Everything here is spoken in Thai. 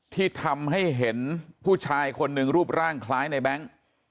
ที่ทำให้เห็นผู้ชายคนหนึ่งรูปร่างคล้ายในแบงค์